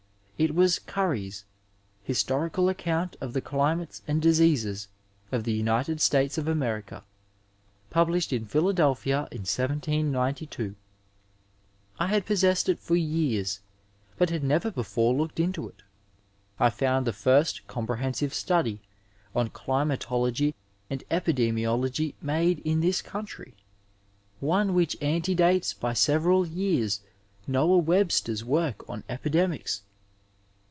It was Curriers Historical AoooutU of the GUmatea Uni Diseases of the United States of America, published in Philadelphia in 1792. I had possessed it for years, but had never before looked into it. I found the first comprehensive study on climatology and epidemiology made in this country, one which antedates by several years Noah Webster's work on epidemics.